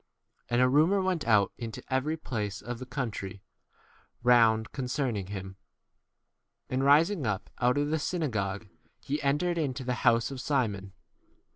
37 And a rumour went out into every place of the country round con 38 cerning him. And rising up out of the synagogue, he entered into the house of Simon.